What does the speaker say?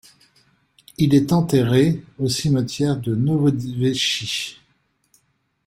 Il est enterrée au cimetière de Novodevitchi.